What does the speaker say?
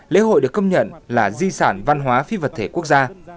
lễ hội được công nhận là di sản văn hóa phi vật thể quốc gia